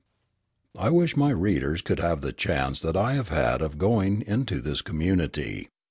I wish my readers could have the chance that I have had of going into this community.